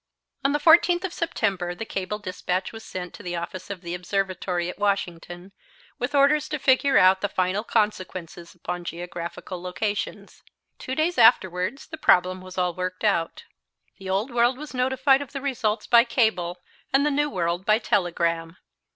On the 14th of September the cable dispatch was sent to the office of the Observatory at Washington, with orders to figure out the final consequences upon geographical locations. Two days afterwards the problem was all worked out. The Old World was notified of the results by cable and the New World by telegram.